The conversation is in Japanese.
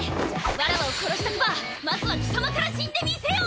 わらわを殺したくばまずは貴様から死んでみせよ！